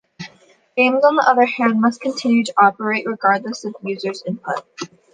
Games, on the other hand, must continue to operate "regardless" of a user's input.